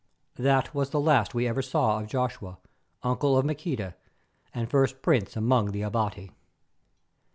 That was the last we ever saw of Joshua, uncle of Maqueda, and first prince among the Abati.